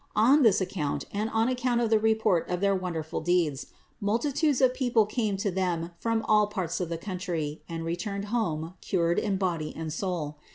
On this account, and on account of the report of their wonderful deeds, multitudes of people came to them from all parts of the country and returned home cured in body and soul.